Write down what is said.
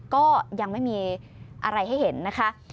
ก็ยังไม่มีอะไรให้เห็นนะคะ